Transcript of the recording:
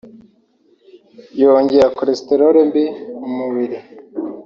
yongera cholesterole mbi mu mubiri